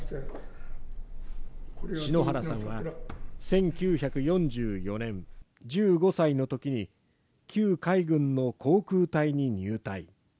篠原さんは、１９４４年１５歳のときに、旧海軍の航空隊に入隊。